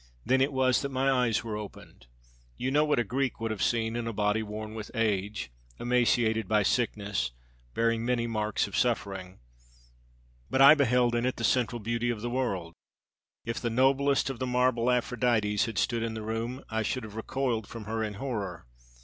Then it was that my eyes were opened. You know what a Greek would have seen in a body worn with age, emaciated by sickness, bearing many marks of suffering. But I beheld in it the central beauty of the world. If the noblest of the marble Aphrodites had stood in the room I should have recoiled from her in horror.